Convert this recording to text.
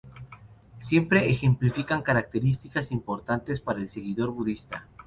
Siempre ejemplifican características importantes para el seguidor budista.